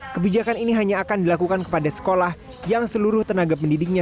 kebijakan ini hanya akan dilakukan kepada sekolah yang seluruh tenaga pendidiknya